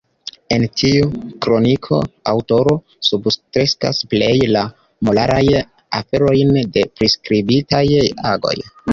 En tiu kroniko aŭtoro substrekas pleje la moralajn aferojn de priskribitaj agoj.